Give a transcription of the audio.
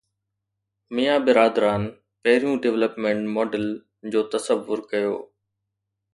ميان برادران پهريون development model جو تصور ڪيو.